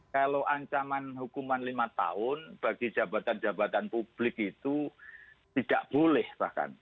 kalau ancaman hukuman lima tahun bagi jabatan jabatan publik itu tidak boleh bahkan